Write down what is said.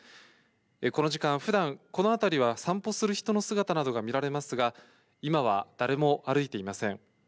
この時間、ふだん、この辺りは散歩する人の姿などが見られますが、今は誰も歩いていません。